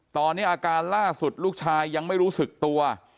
ตอนนี้อาการล่าสุดลูกชายยังไม่รู้สึกตัว